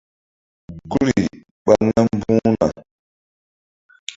Guri ɓa nam mbu̧h na.